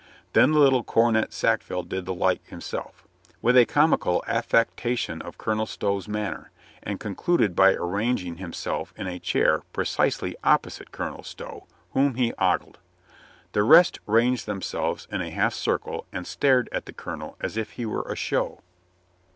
Then the little Cornet Sackville did the like himself, with a comical affectation of Colonel Stow's manner, and concluded by arranging himself in a chair precisely opposite Colonel Stow, whom he ogled. The rest ranged themselves in a half circle and stared at the colonel as if he were a show.